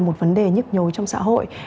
một vấn đề nhức nhối trong xã hội